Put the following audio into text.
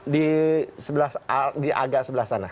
di agak sebelah sana